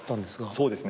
そうですね。